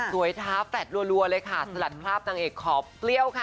ท้าแฟลตรัวเลยค่ะสลัดภาพนางเอกขอเปรี้ยวค่ะ